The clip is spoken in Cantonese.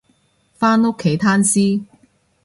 返屋企攤屍